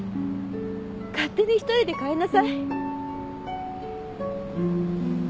勝手に１人で帰んなさい。